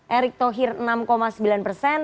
erik tohir enam sembilan persen